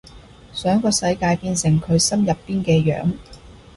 想個世界變成佢心入邊嘅樣